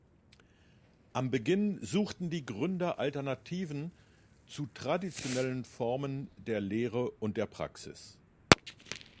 Am Beginn suchten die Gründer Alternativen zu traditionellen Formen der Lehre und der Praxis.